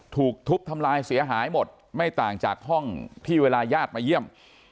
ถูกทุบทำลายเสียหายหมดไม่ต่างจากห้องที่เวลาญาติมาเยี่ยม